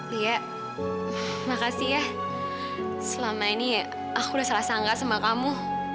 lia makasih ya selama ini ya aku udah salah sangka sama kamu